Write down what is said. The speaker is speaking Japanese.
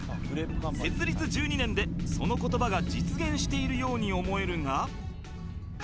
設立１２年でその言葉が実現しているように思えるが